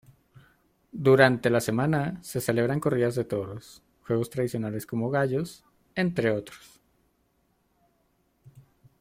Durante la semana se celebran corridas de toros, juegos tradicionales como gallos, entre otros.